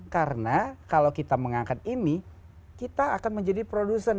karena kalau kita mengangkat ini kita akan menjadi produsen